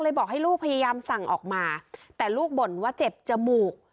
บอกให้ลูกพยายามสั่งออกมาแต่ลูกบ่นว่าเจ็บจมูก